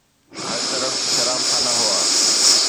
هر طرف شراب خانا هئا.